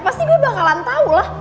pasti gue bakalan tahu lah